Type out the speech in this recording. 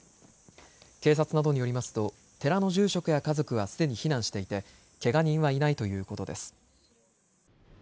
警察などによりますと寺の住職や家族はすでに避難していてけが人はいないということです。